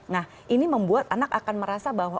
nah ini membuat anak akan merasa bahwa